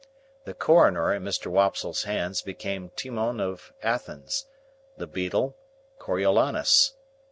The coroner, in Mr. Wopsle's hands, became Timon of Athens; the beadle, Coriolanus.